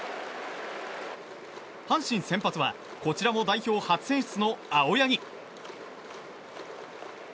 阪神先発はこちらも代表初選出の青柳。